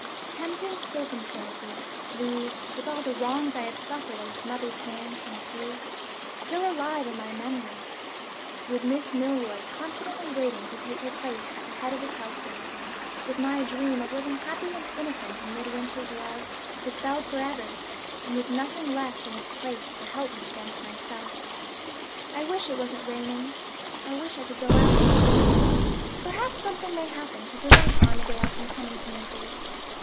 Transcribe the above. "Tempting circumstances, these with all the wrongs I have suffered at his mother's hands and at his, still alive in my memory; with Miss Milroy confidently waiting to take her place at the head of his household; with my dream of living happy and innocent in Midwinter's love dispelled forever, and with nothing left in its place to help me against myself. I wish it wasn't raining; I wish I could go out. "Perhaps something may happen to prevent Armadale from coming to Naples?